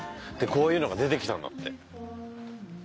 でこういうのが出てきたんだって。